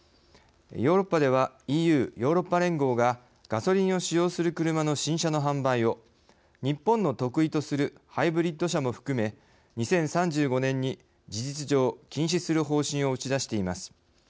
ヨーロッパではＥＵ＝ヨーロッパ連合がガソリンを使用する車の新車の販売を、日本の得意とするハイブリッド車も含め２０３５年に事実上禁止する方針を打ち出しています。